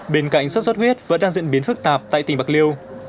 bên cạnh sốt xuất huyết vẫn đang diễn biến phức tạp tại tỉnh bạc liêu